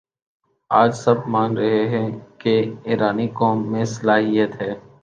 آج سب مان رہے ہیں کہ ایرانی قوم میں صلاحیت ہے